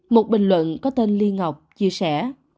một bình luận có tên ly ngọc chia sẻ